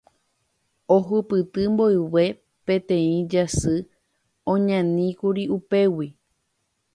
Ohupyty mboyve peteĩ jasy oñaníkuri upégui.